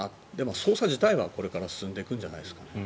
捜査自体はこれから進んでいくんじゃないですかね。